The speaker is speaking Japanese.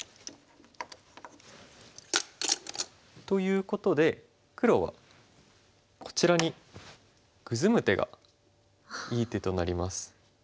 ということで黒はこちらにグズむ手がいい手となります。